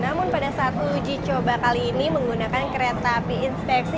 namun pada saat uji coba kali ini menggunakan kereta api inspeksi